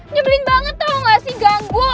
nyebelin banget tau gak sih ganggu